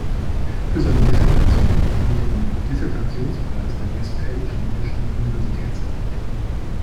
Für seine Dissertation erhielt er den Dissertationspreis der "Westfälisch-Lippischen Universitätsgesellschaft".